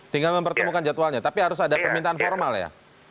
tinggal mempertemukan jadwalnya tapi harus ada permintaan formal ya